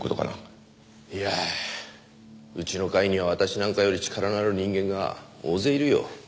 いやうちの会には私なんかより力のある人間が大勢いるよ。